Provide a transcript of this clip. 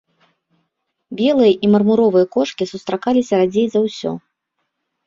Белыя і мармуровыя кошкі сустракаліся радзей за ўсё.